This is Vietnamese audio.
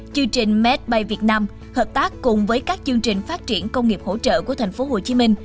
chương trình made by việt nam hợp tác cùng với các chương trình phát triển công nghiệp hỗ trợ của tp hcm